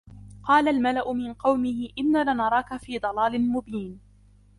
قال الملأ من قومه إنا لنراك في ضلال مبين